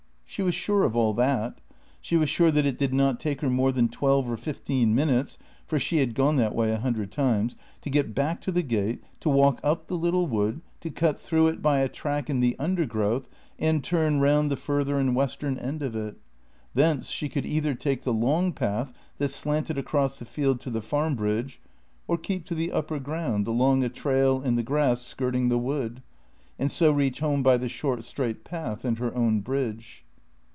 She was sure of all that. She was sure that it did not take her more than twelve or fifteen minutes (for she had gone that way a hundred times) to get back to the gate, to walk up the little wood, to cut through it by a track in the undergrowth, and turn round the further and western end of it. Thence she could either take the long path that slanted across the field to the Farm bridge or keep to the upper ground along a trail in the grass skirting the wood, and so reach home by the short straight path and her own bridge.